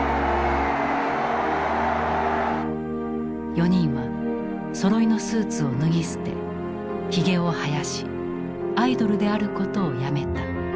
４人はそろいのスーツを脱ぎ捨てひげを生やしアイドルであることをやめた。